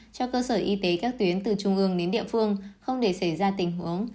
cho cơ sở y tế các tuyến từ trung ương đến địa phương không để xảy ra tình huống